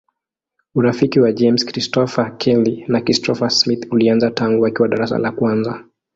Urafiki wa James Christopher Kelly na Christopher Smith ulianza tangu wakiwa darasa la kwanza.